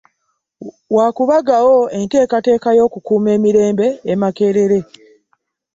Wa kubagawo enteekateeka y'okukuuma emirembe e Makerere